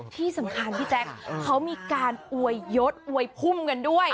ที่สำคัญพี่แจ๊คเขามีการอวยยศอวยพุ่มกันด้วย